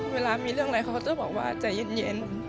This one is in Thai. เวลามีเรื่องอะไรเขาก็จะบอกว่าใจเย็น